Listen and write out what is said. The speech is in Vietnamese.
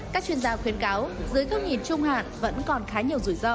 các chuyên gia khuyến cáo dưới góc nhìn trung hạn vẫn còn khá nhiều rủi ro